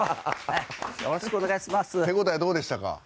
手応え、どうでしたか？